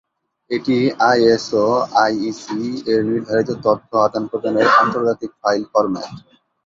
এটি আইএসও/আইইসি এর নির্ধারিত তথ্য আদান প্রদানের আন্তর্জাতিক ফাইল ফরম্যাট।